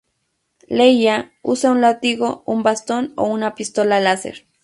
Leia usa un látigo, un bastón o una pistola láser.